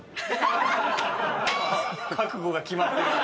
覚悟が決まったような。